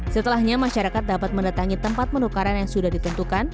setelahnya masyarakat dapat mendatangi tempat penukaran yang sudah ditentukan